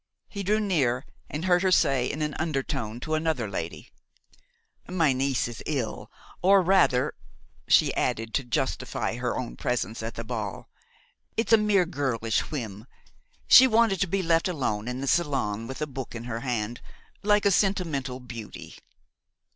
He drew near and heard her say in an undertone to another lady: "My niece is ill; or rather," she added, to justify her own presence at the ball, "it's a mere girlish whim. She wanted to be left alone in the salon with a book in her hand, like a sentimental beauty."